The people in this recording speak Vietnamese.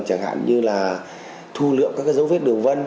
chẳng hạn như là thu lượng các dấu vết đường vân